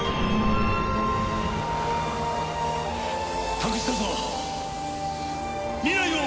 託したぞ未来を！